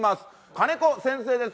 兼子先生です。